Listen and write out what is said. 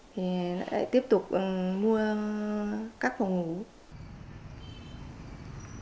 thì lại tiếp tục mua các phòng ngủ khác